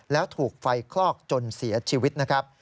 แล้วถูกไฟคลอกจนเสียชีวิตนะครับ